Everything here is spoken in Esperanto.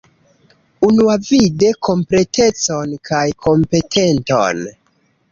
Unuavide kompletecon kaj kompetenton.